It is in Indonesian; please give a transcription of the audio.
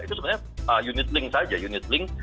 itu sebenarnya unit ring saja unit ring